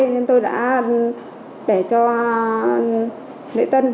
nên tôi đã để cho lễ tân